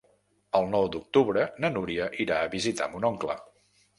El nou d'octubre na Núria irà a visitar mon oncle.